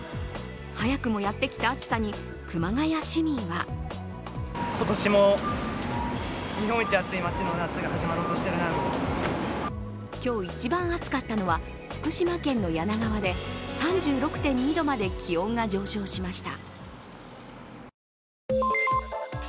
早くもやってきた暑さに熊谷市民は今日一番暑かったのは福島県の梁川で３６．２度まで気温が上昇しました。